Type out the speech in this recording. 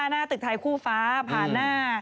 หน้าตึกไทยคู่ฟ้าผ่านหน้า